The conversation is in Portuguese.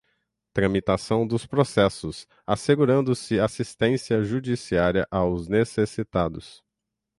tramitação dos processos, assegurando-se assistência judiciária aos necessitados;